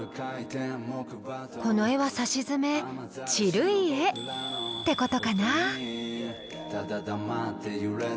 この絵はさしずめ「チルい絵」ってことかな。